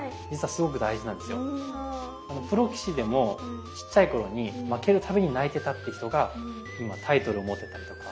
プロ棋士でもちっちゃい頃に負ける度に泣いてたって人が今タイトルを持ってたりとか。